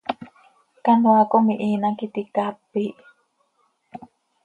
Canoaa com ihiin hac iti caap iihi.